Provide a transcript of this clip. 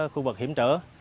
khu vực hiểm trở